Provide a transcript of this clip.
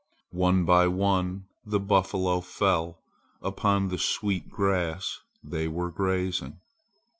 One by one the buffalo fell upon the sweet grass they were grazing.